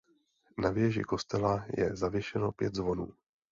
Na věži kostela je zavěšeno pět zvonů.